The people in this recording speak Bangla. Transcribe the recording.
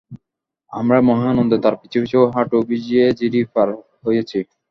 আমরা মহা আনন্দে তার পিছু পিছু হাঁটু ভিজিয়ে ঝিরি পার হয়েছি।